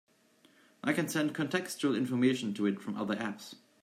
I can send contextual information to it from other apps.